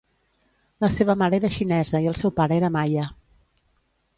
La seva mare era xinesa i el seu pare era Maia.